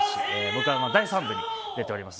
僕は第３部に出ています。